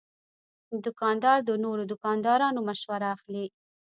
دوکاندار د نورو دوکاندارانو مشوره اخلي.